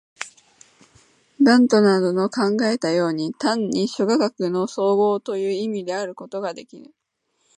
ヴントなどの考えたように、単に諸科学の綜合という意味であることができぬ。